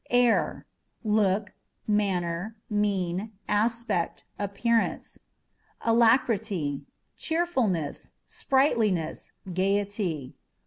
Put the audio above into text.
Air â€" look, manner, mien, aspect, appearance. Alacrity â€" cheerfulness, sprightliness, gaiety.